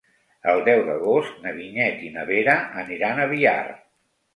El deu d'agost na Vinyet i na Vera aniran a Biar.